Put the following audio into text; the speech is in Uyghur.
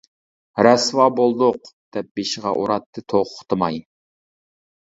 رەسۋا بولدۇق، دەپ بېشىغا ئۇراتتى توختىماي.